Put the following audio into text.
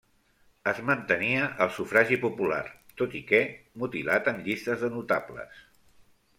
Es mantenia el sufragi popular, tot i que mutilat en llistes de notables.